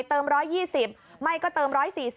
๑๒๐ไม่ก็เติม๑๔๐